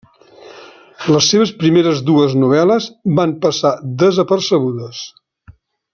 Les seves primeres dues novel·les van passar desapercebudes.